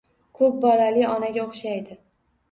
Ko‘p bolali onaga o‘xshaydi.